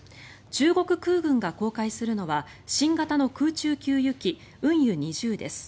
中国空軍が公開するのは新型の空中給油機運油２０です。